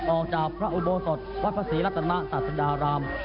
ออกจากพระอุโบสถวัดภาษีรัตนาศาสตราราม